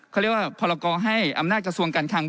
เขาเรียกว่าพรกรให้อำนาจกระทรวงการคัง